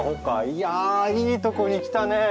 いやいいとこに来たねえ。